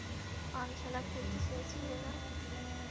পানশালা খুলতে চেয়েছিলে না?